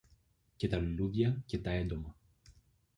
και τα λουλούδια και τα έντομα.